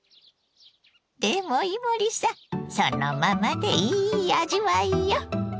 でも伊守さんそのままでいい味わいよ！